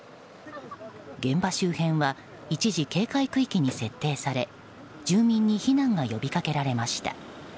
現場周辺は一時、警戒区域に設定され住民に避難が呼び掛けられました。